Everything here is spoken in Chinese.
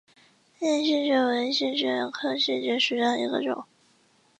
栎叶槲蕨为槲蕨科槲蕨属下的一个种。